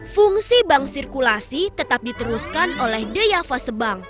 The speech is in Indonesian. fungsi bank sirkulasi tetap diteruskan oleh deyava sebang